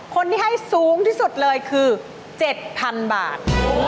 คนที่ให้สูงที่สุดเลยคือ๗๐๐๐บาท